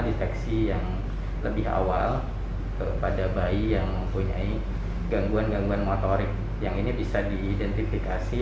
deteksi yang lebih awal kepada bayi yang mempunyai gangguan gangguan motorik yang ini bisa diidentifikasi